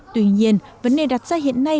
tuy nhiên vấn đề đặt ra hiện nay